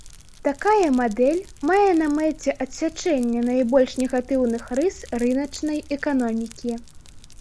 Такая мадэль мае на мэце адсячэнне найбольш негатыўных рыс рыначнай эканомікі.